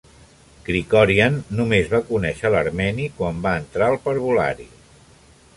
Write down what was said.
Krikorian només va conèixer l'armeni quan va entrar al parvulari.